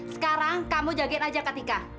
sekarang kamu jagain aja kak tika